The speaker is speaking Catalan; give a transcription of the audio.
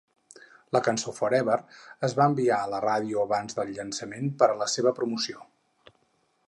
La cançó Forever es va enviar a la ràdio abans del llançament per a la seva promoció.